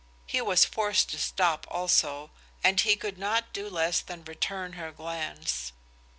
He was forced to stop also, and he could not do less than return her glance.